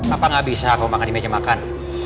apa nggak bisa kamu makan di meja makan